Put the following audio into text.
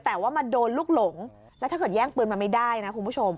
แต่ว่ามาโดนลูกหลงแล้วถ้าเกิดแย่งปืนมาไม่ได้นะคุณผู้ชม